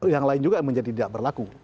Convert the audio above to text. yang lain juga menjadi tidak berlaku